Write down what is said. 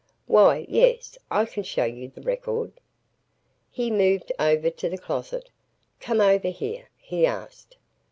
"Why, yes. I can show you the record." He moved over to the closet. "Come over here," he asked.